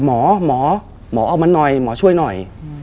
หมอหมอออกมาหน่อยหมอช่วยหน่อย